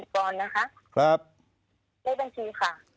เลขบูรณ์ถูกไหมครับเลขบัญชีค่ะ